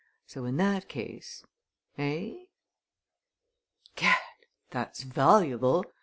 So in that case eh?" "Gad! that's valuable!"